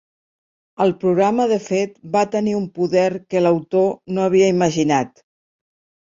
El programa de fet va tenir un poder que l"autor no havia imaginat.